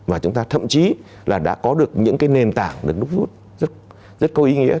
và chúng ta thậm chí là đã có được những nền tảng được đúc rút rất câu ý nghĩa